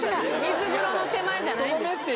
水風呂の手前じゃないんです。